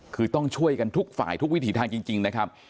คือต้องช่วยกันทุกฝ่ายทุกวิถีทางจริงนะครับ